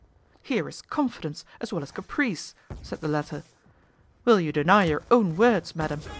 "Here is confidence, as well as caprice!" said the latter. "Will you deny your own words, Madam?"